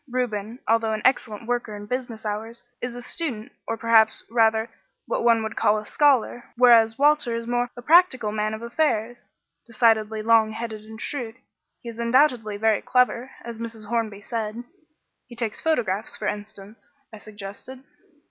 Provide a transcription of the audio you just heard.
Reuben, although an excellent worker in business hours, is a student, or perhaps rather what one would call a scholar, whereas Walter is more a practical man of affairs decidedly long headed and shrewd. He is undoubtedly very clever, as Mrs. Hornby said." "He takes photographs, for instance," I suggested.